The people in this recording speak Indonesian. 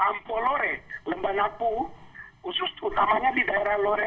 hampa lore lemba napu